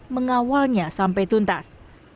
mengawalnya sampai tuntas